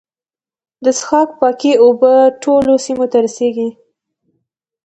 د څښاک پاکې اوبه ټولو سیمو ته رسیږي.